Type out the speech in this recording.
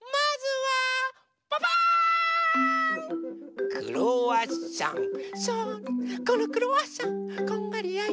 はい。